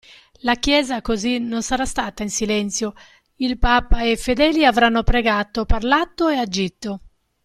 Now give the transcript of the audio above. La Chiesa così non sarà stata in silenzio: il Papa e i fedeli avranno pregato, parlato e agito.